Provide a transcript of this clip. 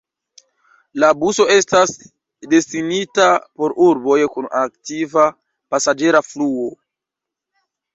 La buso estas destinita por urboj kun aktiva pasaĝera fluo.